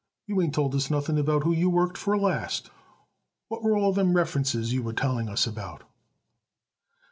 "You ain't told us nothing about who you worked for last. What were all them references you was telling us about?"